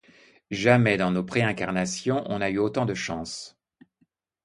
» Jamais dans nos préincarnations on a eu autant de chances.